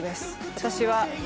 私は。